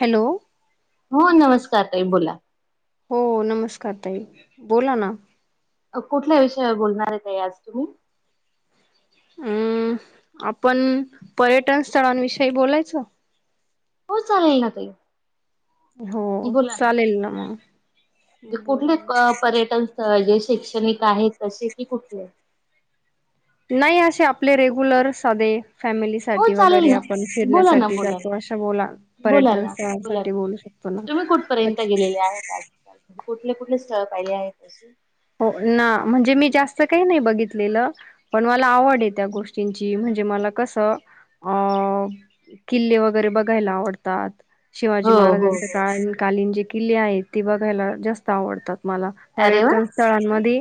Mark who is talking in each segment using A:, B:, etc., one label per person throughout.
A: Hello.
B: हो नमस्कार ताई बोला
A: हो नमस्कार ताई बोला ना
B: कुठल्या विषयावर बोलणार आहेत ताई आज तुम्ही?
A: म आपण पर्यटन स्थळांविषयी बोलायच?
B: हो चालेल ना ताई-
A: हो चालेल ना मग. बोला
B: कुठले
A: ना.
B: पर्यटन स्थळ जे शैक्षणिक आहे तसे की कुठले
A: नाही असे आपले रेगुलर साधे फॅमिली
B: हो
A: साठी
B: चालेल
A: वगैरे
B: ना.
A: आपण
B: बोला ना
A: फिरण्यासाठी
B: बोला ना
A: जातो अशे बोला
B: बोला
A: पर्यटन
B: ना बोला ना.
A: स्थळासाठी बोलू शकतो. ना
B: तुम्ही कुठपर्यंत गेलेले आहेत आजकाल कुठले, कुठले स्थळ पाहिले आहेत तेथे?
A: हो ना म्हणजे मी जास्त काही नाही बघितलेलं पण मला आवड आहे त्या गोष्टींची म्हणजे मला कस अ किल्ले वगैरे बघायला आवडतात. शिवाजी
B: हो हो
A: महाराजांचे
B: हो
A: का कालीन जे किल्ले आहेत ते बघायला जास्त आवडतात मला
B: अरे वा.
A: पर्यटन
B: अरे वा.
A: स्थळांमध्ये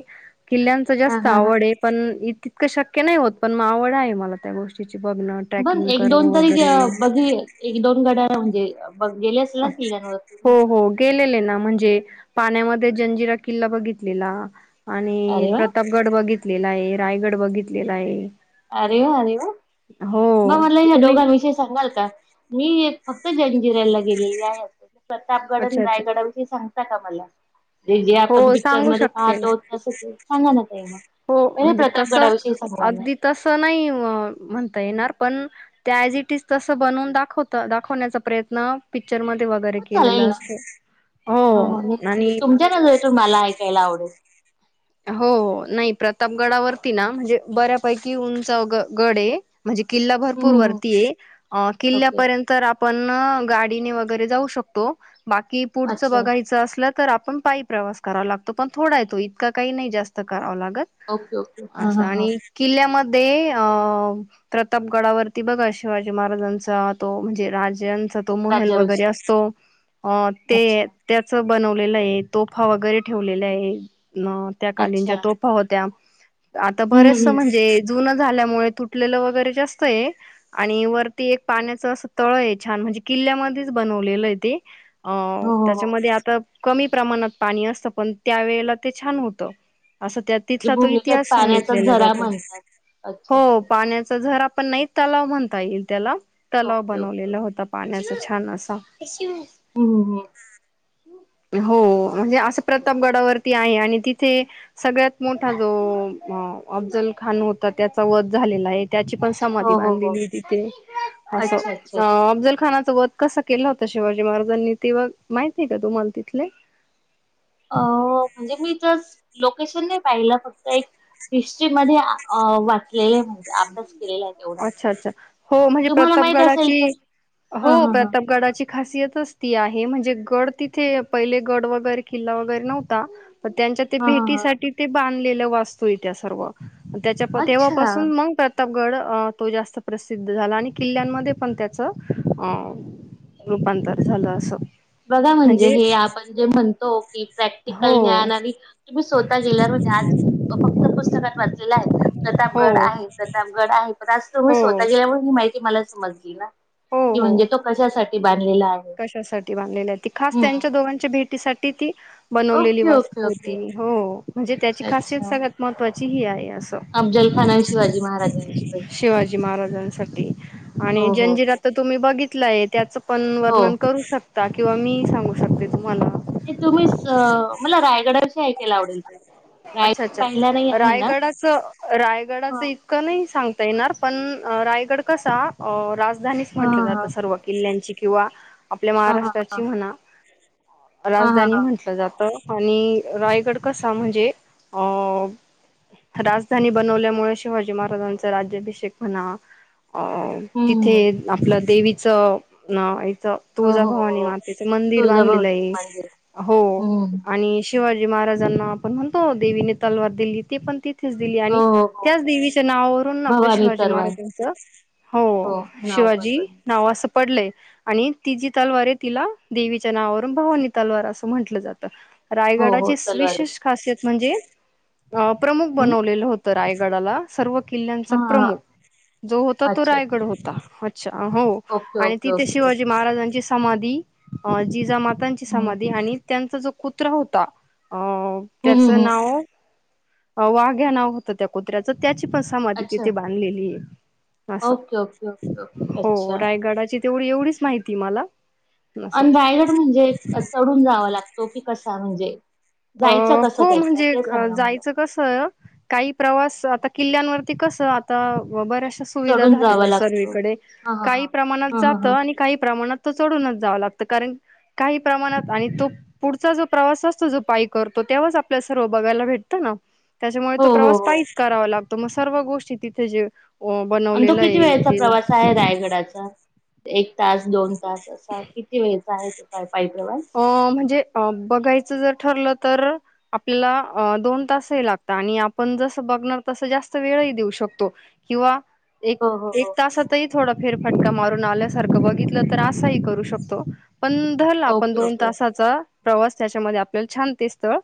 A: किल्ल्यांच
B: हा
A: जास्त
B: हा हा
A: आवड ये पण तितकं शक्य नाही होत पण म आवड आहे मला त्या गोष्टीची बघन
B: पण एक दोन तरी बघी एक दोन गड्या म्हणजे ब गेले अस
A: अच्छा. हो हो गेलेले ना म्हणजे पाण्यामध्ये जंजिरा किल्ला बघितलेला. आणि
B: अरे वा
A: प्रतापगड बघितलेला आहे रायगड बघितलेला आहे.
B: अरे वा अरे वा
A: हो
B: मग म्हटलंईला
A: तुम्ही
B: दोघां विषय सांगाल का. मी फक्त जंजिरेला गेलेली आहे अस प्रतापगड आणि
A: अच्छा अच्छा
B: रायगडा विष सांगता का मला जे
A: हो
B: आपण पिक्चर
A: सांगू
B: म
A: शकते ना
B: पाहतो तसच सांगा ना ते ना
A: हो
B: पहिले
A: म्हणजे तसं
B: प्रतापगडावष सांगा ना.
A: अगदी तसं नाही म्हणता येणार पण त त्या ज इट इज तसं बनवून दाखवत दाखवण्याचा प्रयत्न पिक्चर म वगैरे
B: हो
A: केलेलं
B: चालेल ना.
A: असत हो
B: मी सांगते.
A: आणि
B: तुमच्या नजरेतून मला ऐकायला आवडेल.
A: हो नाही प्रतापगडावरती ना म्हणजे बऱ्यापैकी उंचा गड आहे. म्हणजे किल्ला
B: हम्म
A: भरपूर
B: हम्म हम्म
A: वरतीय
B: ओके.
A: किल्ल्यापर्यंत पण गाडीने वगैरे जाऊ शकतो बाकी पुढच
B: अच्छा.
A: बघायचं असलं तर आपण पायी प्रवास करावा लागतो पण थोडा येतो इतका काही नाही जास्त करावं लागत.
B: Okay okay. हा
A: असं
B: हा हा.
A: आणि किल्ल्यामध्ये अ प्रतापगडावरती बघा शिवाजी महाराजांचा तो म्हणजे राजांचा तो महल वगैरे
B: राज्याभिषेक.
A: असतो अ ते
B: अच्छा.
A: त्याच बनवलेलं आहे तोफा वगैरे ठेवलेल्या आहे अ त्या कालीन
B: अच्छा.
A: ज्या तोफा होत्या आता
B: हम्म
A: बरेच
B: हम्म.
A: म्हणजे जुन झाल्यामुळे तुटलेलं वगैरे जास्त आहे आणि वर ते एक पाण्याच असं तळ आहे छान म्हणजे किल्ल्यामध्येच बनवलेलं आहे ते अ
B: हो हो हो.
A: त्याच्यामध्ये आता कमी प्रमाणात पाणी असतं पण त्यावेेळेला ते छान होत असं त्यात
B: जे
A: तिथला तो
B: भूमिगत
A: इतिहास
B: पाण्याचा
A: सांगितलेला
B: झरा
A: जातो
B: म्हणतात. अच्छा
A: हो
B: अच्छा.
A: पाण्याच जर आपण नाही तलाव म्हणता येईल त्याला तलाव
B: ओके ओके.
A: बनवलेला होता पाण्याचा छान असा.
B: [unintelligible]
A: हो म्हणजे असं प्रतापगडावरती आहे आणि तिथे सगळ्यात मोठा जो अफजल खान होता त्याचा वध झालेला आहे त्याची पण
B: हो,
A: धी
B: हो, हो.
A: बांधलेली तिथे असं
B: अच्छा, अच्छा,
A: अ
B: अच्छा.
A: अफजल खानासोबत कस केला होता शिवाजी महाराजांनी तेव माहितीय का तुम्हाला तिथले?
B: अ म्हणजे मी तरच लोकेशन नाही पाहिलं फक्त एक हिस्ट्रीमध्येध्ये वाचलेले म्हणजे अभ्यास केलेला आहे तेवढा.
A: अच्छा अच्छा हो म्हणजे
B: तुम्हाला माहीत असेल
A: प्रतापगडाची
B: तर? हां,
A: हो
B: हां, हां.
A: प्रतापगडाची खासियतच ती आहे म्हणजे गड तिथे पहिले गड वगैरे किल्ला वगैरे नव्हता तर त्यांच्या ते
B: हां, हां, हां.
A: भेटीसाठी ते बांधलेलं वास्तू त्या सर्व त्याच्या
B: अच्छा.
A: तेव्हापासून मग प्रतापगड तो जास्त प्रसिद्ध झाला आणि किल्ल्यांमध्ये पण त्याच अ रूपांतर झालं असं.
B: बघा म्हणजे हे आपण जे म्हणतो की
A: हो
B: प्रॅक्टिकल जञ तुम्ही स्वतः गेल्यावर आजा ते फक्त पुस्तकात वाचलेला आहे
A: हो
B: प्रतापगड आहे प्रतापगड आहे पण आज तुम्ही
A: हो
B: स्वतः गेल्यामुळे ही माहिती मला समजली ना
A: हो
B: की
A: हो
B: म्हणजे तो कशासाठी बांधलेला आहे.
A: कशासाठी बांधले खास
B: हं.
A: त्यांच्या दोघांच्या भेटीसाठी ती बनवलेली
B: ओके,
A: वास्तू
B: ओके,
A: होती
B: ओके.
A: हो म्हणजे त्याची
B: अच्छा
A: खासियत सगळ्यात महत्त्वाची ही आहे असं.
B: अफ्जल खान आणि शिवाजी महाराजांची भेट.
A: शिवाजी महाराजांसाठी आणि
B: हो हो
A: जंजिरा
B: हो
A: त तुम्ही बघितलाय त्याचं पण
B: हो
A: वर्णन करू शकता किंवा मी सांगू शकते तुम्हाला
B: ते तुम्हीच मला रायगडाशी ऐकायला आवडेल ते
A: अच्छा
B: रायगड पाहिला नाही
A: अच्छा
B: आहे ना?
A: रायगडाच
B: ह
A: रायगडाच नाही सांगता येणार पण रायगड कसा णीच
B: ह
A: म्हटलं जातं सर्व किल्ल्याची किंवा आपल्या
B: ह ह ह
A: महाराष्ट्राची म्हणा
B: ह ह
A: राजधानी
B: ह
A: म्हटलं जातं आणि रायगड कसा म्हणजे अ राजधानी बनवल्यामुळे शिवाजी महाराजांचा राज्याभिषेक म्हणा अ
B: हम्म
A: तिथे
B: हम्म.
A: आपलं देवीचं ना याचं
B: हो हो हो
A: तुळजाभवानी
B: हो.
A: मातेचे मंदिर
B: तुळजाभवानी
A: बांधलेलं आहे
B: मंदिर
A: हो
B: हम्म
A: आणि शिवाजी महाराजांना आपण म्हणतो देवीने तलवार दिली होती पण त च दिली
B: हो
A: आणि
B: हो हो
A: त्याच देवीच्या नावावरून आपल्या
B: भवानी
A: शिवाजी
B: तरवार
A: महाराजांचं हो
B: नाव पण
A: शिवाजी
B: पड
A: नाव असं पडलंय आणि तिचीी तलवार आहे तिला देवीच्या नावावरून भावानी तलवार असं म्हंटलं जातं
B: हो हो
A: रायगडाचे
B: तलवार
A: विशेष खासियत म्हणजे प्रमुख
B: हम्म
A: बनवलेलं होतं रायगडाला सर्व किल्ल्यांचा
B: हा हा हा.
A: प्रमुख जो होता तो
B: अच्छा अच्छा
A: रायगड होता अच्छा हो
B: ओके
A: आणि
B: ओके
A: तिथे
B: ओके ओके
A: शिवाजी महाराजांची समाधी जिजामातांची
B: हम्म
A: समाधी आणि त्यांचा जो कुत्रा होता अ
B: हम्म
A: त्याचं
B: हम्म
A: नाव वाघ्या नाव होतं त्या कुत्र्याचं त्याची पण समाधी तिथे
B: अच्छा
A: बांधलेली आहे अस
B: ओके ओके ओके ओके
A: हो
B: अच्छा
A: रायगडाची तेवढी एवढीच माहिती मला असं
B: अं राायलट म्हणजे चढून जावा लागतो की कसा म्हणजे जायचं कसं त्याच्या ते सांगा मला
A: कस काही प्रवास आता किल्ल्यावरती कस आता बर धा
B: चढून जावा
A: झाले
B: लागतो
A: सर्कडे
B: हा हा
A: काही
B: हा
A: प्रणात
B: हा हा
A: जात
B: हा
A: आणि काही प्रण चढूनच जावं लागत कारण काही प्रमाणात आणि तो पुढचा जो प्रवास असतो जो पाईक करतो तेव्हाच आपल्या सर्व बघायला भेटतं ना त्याच्यामुळे
B: हो
A: तो
B: हो
A: प्रवास
B: हो
A: पाहीच करावा लागतो तर मग सर्व गोष्टी तिथे जे अ,
B: आणि तो
A: बनवलेलं
B: किती
A: आहे
B: वेळेचा
A: ते
B: प्रवास आहे रायगडाचा एक तास दोन तास असा किती वेळचा आहे तो काय पाय प्रवास
A: अ म्हणजे बघायचं जर ठरलं तर आपल्याला अ दोन तासही लागतात आणि आपण जसं बघणार तस जास्त वेळही देऊ शकतो किंवा एक
B: हो हो हो
A: तासातही थोडा फेरफटका मारून आल्यासारखं बघितलं तर असाही करू शकतो पण पण
B: ओके
A: दोन
B: ओके
A: तासाचा प्रवास त्याच्यामध्ये आपल्याला छान ते स्थळ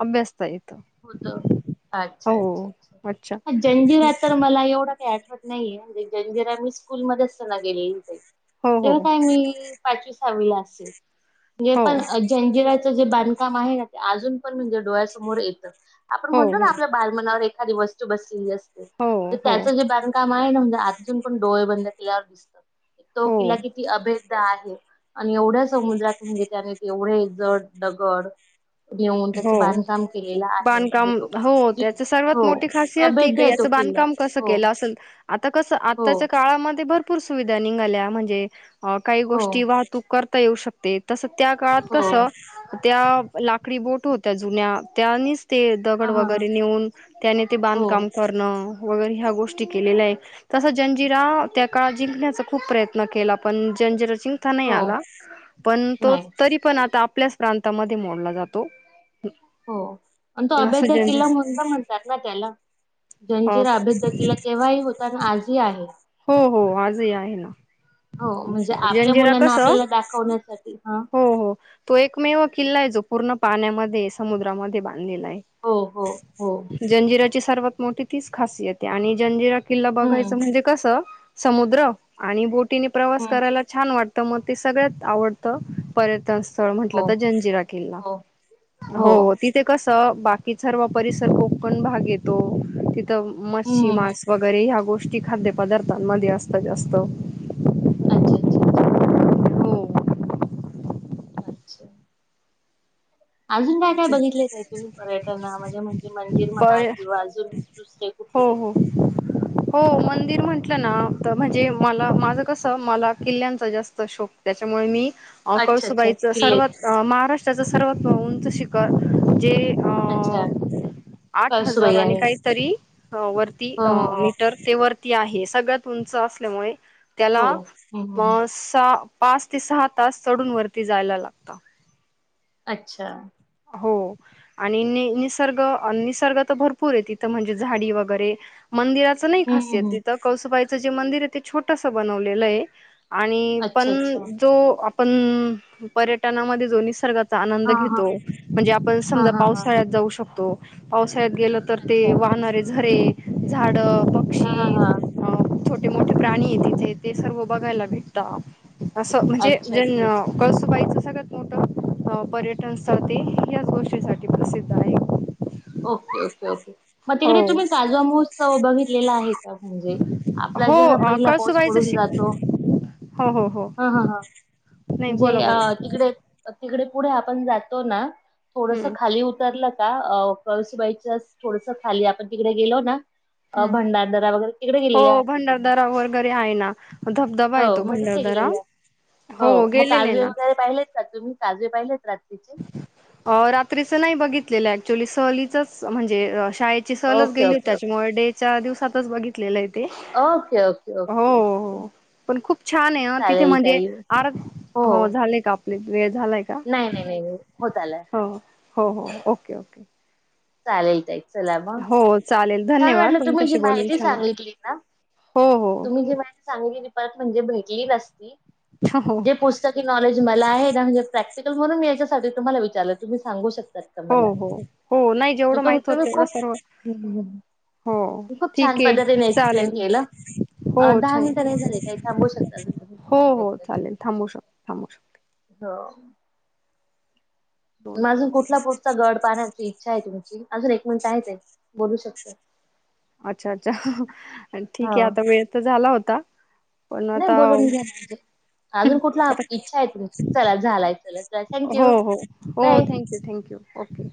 A: अभ्यासता येतं
B: हो अच्छा अच्छा अच्छा जंजीरात तर मला एवढं काही आठवत नाही जे मी स्कूल मध्ये असताना गेले ते
A: हो हो
B: तेव्हा काय मी
A: हो
B: [unintelligible] काज पण म्हणे डळ्यासमोर येत आपण
A: हो
B: म्हणो
A: हो
B: ना आप बा एा व ब अस
A: हो हो
B: त्या काम आहे ना म्हणजे अजून पण डोळे बंद केल्यावर दिसत तो
A: हो
B: किला किती अभेद आहे आणि एवढ्या समुद्रात म्हणजे त्याने एवढे जड दगड घेऊन त्याचं
A: हो
B: बांधकाम के
A: बांधकाम हो त्याच सर्वात
B: हो
A: मोठी खासियत ती क
B: अभेद्य आहे तो
A: याचं
B: किल्ला
A: बांधकाम कसं
B: हो
A: केलं असल आता कसं
B: हो
A: आताच्या काळामध्ये भरपूर सुविधा निघाल्या म्हणजे अ काही
B: हो
A: गोष्टी वाहतूक करता येऊ शकते तसं त्या काळात
B: हो
A: कसं त्या लाकडी बोट होत्या जुन्या त्यानीच ते
B: हा
A: दगड
B: हा हा
A: वगैरे नेऊन त्याने ते
B: हो
A: बांधकाम करणं वगैरे ह्या गोष्टी केलेल्या आहे तस जंजिरा त्या काळात जिंकण्याचा खूप प्रयत्न केला पण जंजिरा जिंक नाही
B: हो
A: आला पण तो
B: नाही
A: तरी पण आता आपल्याच प्रांतामध्ये मोडला जातो ह
B: हो आणि तो अभैद किल्ला म्हणून तर म्हणत्यात ना त्याला. जंजिरा अभेद किल्ला तेव्हाही होता आणि आजही आहे.
A: हो हो आजही आहे ना, जंजिरा कसं
B: होण्यासाठी हा
A: हो हो तो एकमेव किल्ला आहे, जो पूर्ण पाण्यामध्ये समुद्रामध्ये बां धलेला आहे.
B: हो हो हो.
A: जंजिऱ्याची सर्वात मोठी तीच खासियत आहे आणि जंजिरा किल्ला
B: हम्म
A: बघायचं म्हणजे कसं समुद्र आणि बोटीने प्रवास
B: हम्म
A: करायला छान वाटतं, मग ते सगळ्यात आवडतं. पर्यटनस्थळ म्हंटलं
B: हो
A: तर जंजिरा किल्ला.
B: हो
A: हो हो ती ते कसं बाकी सर्व परिसर कोकण भाग येतो. तिथं
B: हम्म
A: मच्छी,
B: हम्म. हम्म.
A: मास वगैरे ह्या गोष्टी खाद्यपदार्थांमध्ये असतात जास्त.
B: अच्छा अच्छा अच्छा.
A: हो
B: अच्छा. अजून काय काय बघितले ताई तुम्ही, पर्यटनामध्ये म्हणजे मंदिर
A: बर
B: म्हणा किंवा अजून दुसरे कुठले?
A: [inaudible] हो मंदिर म्हटलं ना, तर म्हणजे मला माझं कसं मला किल्ल्यांचा जास्त शोक त्याच्यामुळे मी
B: अच्छा अच्छा
A: कळसुबाईच
B: किल्ले
A: सर्वात महाराष्ट्राचं सर्वात उंच शिखर जे
B: अच्छा
A: अ आठ हजार
B: कळसूबाई
A: आणि
B: आहे.
A: काही तरी वरती
B: हो हो
A: मीटर ते वरती आहे, सगळ्यात उंच असल्यामुळे त्याला
B: हो हो हम्म हम्म हम्म
A: अ सहा पाच ते सहा तास चढून वरती जायला लागतं.
B: अच्छा.
A: हो. आणि नि निसर्ग निसर्ग तर भरपूर आहे, तिथं म्हणजे झाडी वगैरे मंदिरात असं नाही
B: हम्म
A: खासियत
B: हम्म हम्म
A: तिथं, कळसुबाई जे मंदिर आहे, ते छोटस बनवलेलं आहे. आणि
B: अच्छा
A: पण
B: अच्छा.
A: जो आपण पर्यटनामध्ये जो निसर्ग आनंद
B: हा हा
A: घेतो. म्हणजे आपण
B: हां,
A: समजा
B: हां, हां.
A: पावसाळ्यात जाऊ शकतो. पावसाळ्यात गेल तर
B: अच्छा.
A: ते वाहणारे झरे, झाड
B: हा
A: पक्षी
B: हा.
A: अ छोटे मोठे प्राणी आहे तिथे, ते सर्व बघायला भेट तं. असं म्हणजे
B: अच्छा,
A: जे
B: अच्छा, अच्छा.
A: कळसुबाईच सगळ्यात मोठं पर्यटन तर ते ह्याच गोष्टीसाठी प्रसिद्ध आहे.
B: Okay okay okay. मग
A: हो.
B: तिकडे तुम्ही काजवा महोत्सव बघित लेला आहे का? म्हणजे आपला
A: हो
B: जे ना
A: अ
B: पहिला पाऊस
A: कळसुबाईचं
B: पडून
A: शिक
B: जातो
A: हो हो हो
B: हा हा हा,
A: नाही
B: म्हणजे
A: बोला
B: अ
A: बोला
B: तिकडे तिकडे पुढे आपण जातो ना, थोडसं
A: हम्म.
B: खाली उतरलं का कळसुबाईचं थोडसं खाली, आपण तिकडे गेलो ना अ
A: हम्म.
B: भंडारदरा वगैरे तिकडे गेलेले
A: हो
B: आहात का तुम्ही?
A: भंडारदरा वगैरे आहे ना धबधबा
B: हो,
A: आहे तो
B: मग तिथे
A: भंडारदरा.
B: गेलेलं आहे. हो, मग
A: गेलेले
B: काजवे
A: ना.
B: वगैरे पाहिलेत? तसं मी काजवे पाहिलेत रात्रीचे.
A: अ रात्रीच नाही बघितलेलं ऍक्च्युली, सहलीचच म्हणजे शाळे ची सहलच
B: ओके,
A: गेली होती,
B: ओके, ओके.
A: त्याच्यामुळे डेच्या दिवसातच बघितलेलं आहे ते.
B: Okay, okay, okay.
A: हो, पण खूप छान आहे ह तिथे
B: चालेल
A: म्हणजे
B: ताई.
A: आर हो, झालेय का आपली वेळ झालाय का?
B: नाही नाही नाही, होत आलाय.
A: हो हो हो, ओके ओके.
B: चालेल ताई, चला मग
A: हो चालेल.
B: छान
A: धन्यवाद
B: वाटलं तुम्ही जी
A: तुमच्याशी बोलून
B: माहिती
A: छान वाटलं
B: सांगितली ना,
A: हो हो
B: तुम्ही जी मा ांगली पर म्हणजे भेटली असती
A: हो
B: जे पुस् नॉलेज मला आहे म्हणजे प्रॅक्टिकल म्हणून मी याच्यासाठी तुम्हाला विचारलं तुम्ही सांगू शकता.
A: हो हो हो नाही जेवढं माहित होत
B: तुम्ही
A: तेवढ
B: खूप
A: सर्व
B: हम्म,
A: हो
B: खूप छान
A: ठीक आहे
B: पद्धतीने एक्सप्लेन
A: चालेल
B: केलं.
A: हो
B: अ दहा
A: छान
B: मिनिटं नाही झाले ताई. थांबू शकता अजून तुम्ही.
A: हो
B: दोन
A: हो चालेल थांबू शक थांबू शक
B: हा
A: दोन
B: अजून
A: कॉल
B: कुठला पुढचा गड पाहण्याची इच्छा आहे तुमची अजून एक मिनिट आहे बोलू शकत
A: अच्छा अच्छा ठीक
B: हा.
A: आहे आता वेळ तर झाला होता. पण
B: नाही
A: आता
B: बोलून घ्या नाजे अजून कुठला
A: आता
B: इच्छा आहे तुमची चला झालाय चला thank you bye
A: okay thank you okay